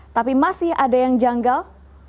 tapi masih ada yang janggal